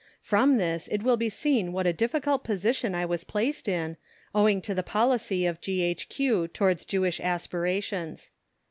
From this it will be seen what a difficult position I was placed in, owing to the policy of G.H.Q. towards Jewish aspirations.